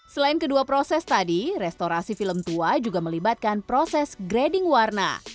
selain kedua proses tadi restorasi film tua juga melibatkan proses grading warna